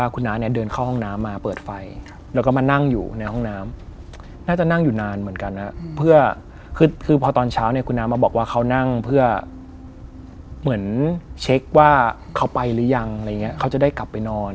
ก็เลยเชื่อครับ